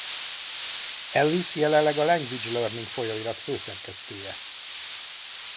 Ellis jelenleg a Language Learning folyóirat főszerkesztője.